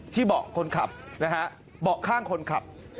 เบาะคนขับนะฮะเบาะข้างคนขับ